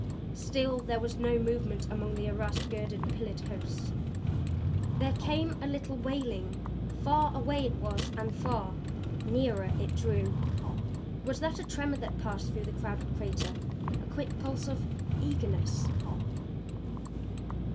Still there was no movement among all the arrased, girdered, pillared hosts. There came a little wailing; far away it was and far. Nearer it drew. Was that a tremor that passed through the crowded crater? A quick pulse of eagerness?